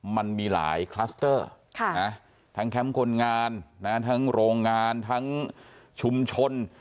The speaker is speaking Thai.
มันมีหลายคลัสเตอร์ทั้งแคมป์คนงานทั้งโรงงานทั้งชุมชน